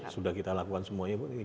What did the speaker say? sudah kita lakukan semuanya bu